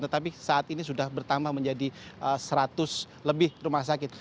tetapi saat ini sudah bertambah menjadi seratus lebih rumah sakit